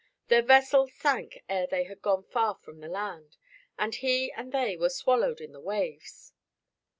Their vessels sank ere they had gone far from the land, and he and they were swallowed in the waves."